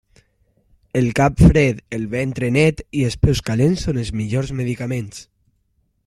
El cap fred, el ventre net i els peus calents són els millors medicaments.